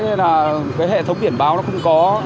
nên là cái hệ thống biển báo nó không có